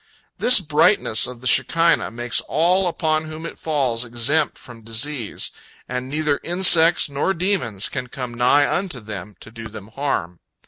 This brightness of the Shekinah makes all upon whom it falls exempt from disease, and neither insects nor demons can come nigh unto them to do them harm.